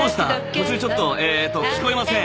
途中ちょっとえーっと聞こえません。